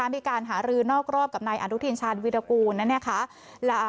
มีการหารือนอกรอบกับนายอนุทินชาญวิรากูล